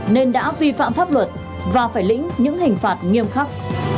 nên đã vi phạm pháp luật và phải lĩnh những hình phạt nghiêm khắc